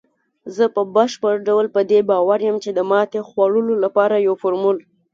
زه په بشپړ ډول په دې باور یم، چې د ماتې خوړلو لپاره یو فارمول